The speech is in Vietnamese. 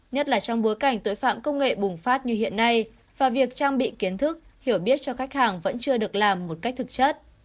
nhất là trong bối cảnh tội phạm công nghệ bùng phát như hiện nay và việc trang bị kiến thức hiểu biết cho khách hàng vẫn chưa được làm một cách thực chất